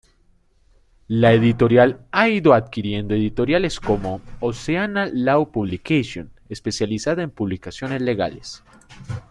La editorial ha ido adquiriendo editoriales como "Oceana Law publications" especializada en publicaciones legales.